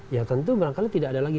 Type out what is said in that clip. ya tentu barangkali tidak ada lagi